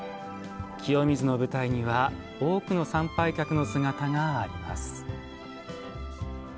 清水の舞台には多くの参拝客の姿があります。